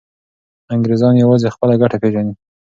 انګریزان یوازې خپله ګټه پیژني.